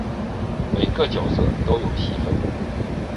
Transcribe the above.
每个角色都有戏份